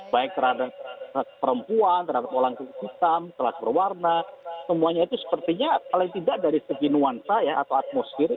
baik terhadap perempuan terhadap orang hitam telah berwarna semuanya itu sepertinya paling tidak dari segi nuansa ya atau atmosfer